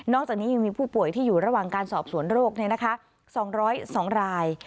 จากนี้ยังมีผู้ป่วยที่อยู่ระหว่างการสอบสวนโรค๒๐๒ราย